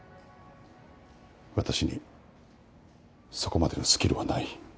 私にそこまでのスキルはない。